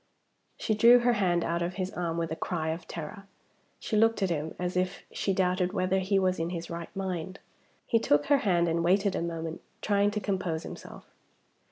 She drew her hand out of his arm with a cry of terror. She looked at him as if she doubted whether he was in his right mind. He took her hand, and waited a moment trying to compose himself.